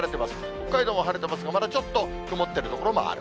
北海道も晴れてますが、またちょっと曇っている所もある。